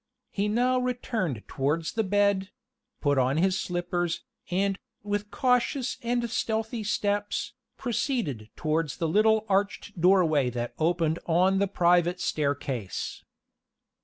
He now returned towards the bed; put on his slippers, and, with cautious and stealthy steps, proceeded towards the little arched doorway that opened on the private staircase.